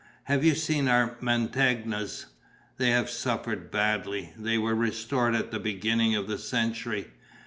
Have you seen our Mantegnas? They have suffered badly. They were restored at the beginning of the century.